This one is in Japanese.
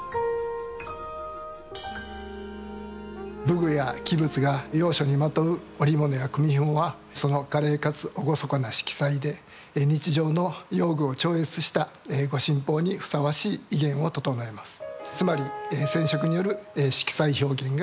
武具や器物が要所にまとう織物や組みひもはその華麗かつ厳かな色彩で日常の用具を超越した御神宝にふさわしい威厳をととのえます。